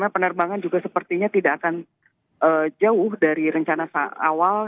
penerbangan juga sepertinya tidak akan jauh dari rencana awal